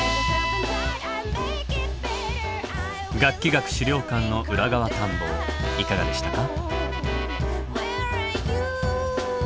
楽器学資料館の裏側探訪いかがでしたか？